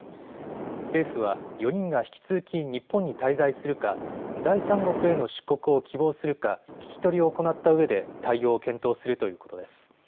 政府は４人が引き続き日本に滞在するか、第三国への出国を希望するか聞き取りを行ったうえで対応を検討するということです。